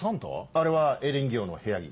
あれはエリンギ王の部屋着。